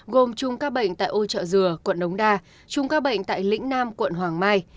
gồm chùm ca bệnh tại âu trợ dừa quận đống đa chùm ca bệnh tại lĩnh nam quận hoàng mai